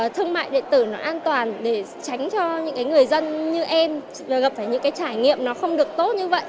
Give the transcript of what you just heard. thương mại điện tử nó an toàn để tránh cho những người dân như em gặp phải những cái trải nghiệm nó không được tốt như vậy